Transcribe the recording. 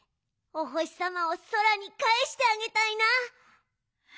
おほしさまをそらにかえしてあげたいな。